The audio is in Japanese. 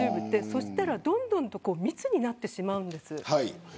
そうすると、どんどん密になってしまうんです。